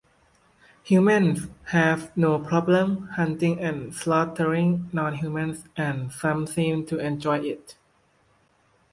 Humans have no problem hunting and slaughtering non-humans, and some seem to enjoy it.